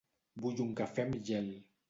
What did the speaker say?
Vull un cafè amb gel.